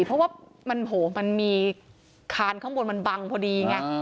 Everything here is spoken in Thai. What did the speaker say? เพราะว่ามันมีคานข้างบนมันบังพอดีไง